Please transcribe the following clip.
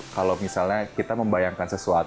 kalau misalnya kita membayangkan sesuatu